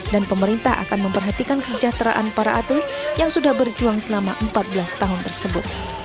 dan pemerintah akan memperhatikan kejahteraan para atlet yang sudah berjuang selama empat belas tahun tersebut